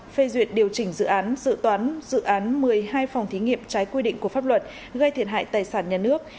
phê duyệt điều chỉnh dự án dự toán dự án một mươi hai phòng thí nghiệm trái quy định của pháp luật gây thiệt hại tài sản nhà nước